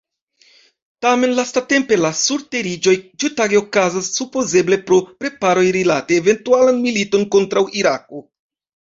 Tamen lastatempe la surteriĝoj ĉiutage okazas, supozeble pro preparoj rilate eventualan militon kontraŭ Irako.